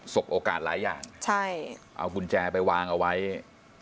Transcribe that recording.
สกโอกาสหลายอย่างเอากุญแจไปวางเอาไว้ใช่